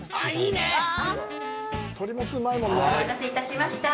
お待たせしました。